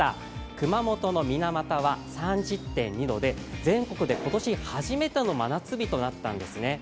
熊本の水俣は３０．２度で全国で今年初めての真夏日となったんですね。